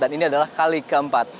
dan ini adalah kali keempat